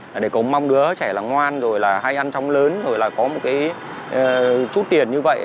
là để có mong đứa trẻ là ngoan rồi là hay ăn trong lớn rồi là có một cái chút tiền như vậy